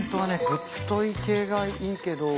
ぶっとい系がいいけど。